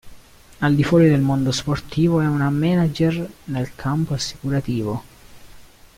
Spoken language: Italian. Al di fuori del mondo sportivo è una manager nel campo assicurativo.